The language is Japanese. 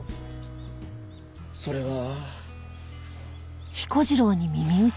それは。